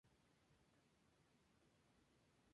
Sus padres eran gerentes de un negocio de ropa para mujeres.